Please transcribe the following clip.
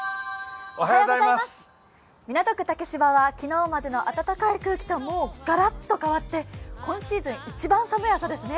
港区竹芝は昨日までの暖かい空気とはガラッと変わって今シーズン、一番寒い朝ですね。